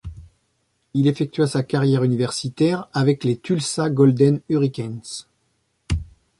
Il effectua sa carrière universitaire avec les Tulsa Golden Hurricanes.